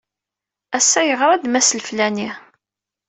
Ass-a, yeɣra-d Mass Leflani.